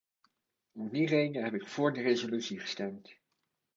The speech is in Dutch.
Om die reden heb ik voor de resolutie gestemd.